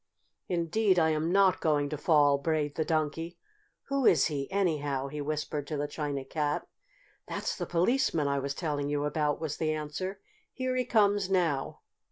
"Indeed I am not going to fall!" brayed the Donkey. "Who is he, anyhow?" he whispered to the China Cat. "That's the Policeman I was telling you about," was the answer. "Here he comes now!"